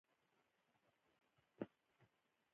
غوږونه د سیند غږ ته متوجه وي